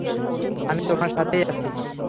আমি তোমার সাথেই আছি!